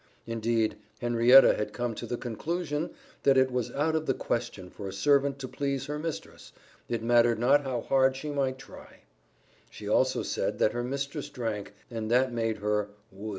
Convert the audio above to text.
Indeed Henrietta had come to the conclusion, that it was out of the question for a servant to please her mistress, it mattered not how hard she might try; she also said, that her mistress drank, and that made her "wus."